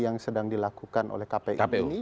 yang sedang dilakukan oleh kpu ini